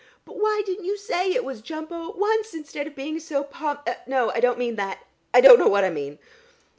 But why didn't you say it was Jumbo at once, instead of being so pomp no, I don't mean that. I don't know what I mean."